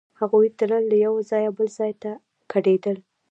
هغوی تل له یوه ځایه بل ځای ته کډېدل.